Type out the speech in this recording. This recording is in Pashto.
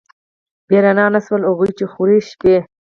بې رڼا نه شول، هغوی چې خوروي شپې